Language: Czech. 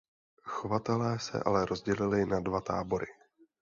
Chovatelé se ale rozdělili na dva tábory.